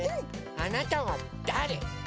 あなたはだれ？